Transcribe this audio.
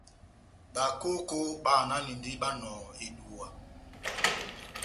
Bakoko bayananindi Banɔhɔ eduwa.